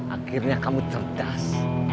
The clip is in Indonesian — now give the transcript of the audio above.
akhirnya kamu cerdas